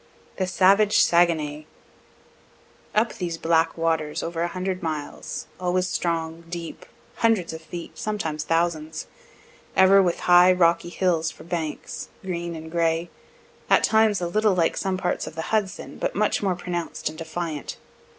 THE SAVAGE SAGUENAY Up these black waters, over a hundred miles always strong, deep, (hundreds of feet, sometimes thousands,) ever with high, rocky hills for banks, green and gray at times a little like some parts of the Hudson, but much more pronounc'd and defiant.